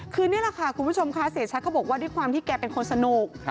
คือนี่แหละค่ะคุณผู้ชมค่ะเสียชัดก็บอกว่าด้วยความที่แกเป็นคนสนุก